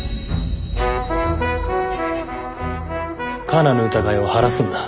カナの疑いを晴らすんだ。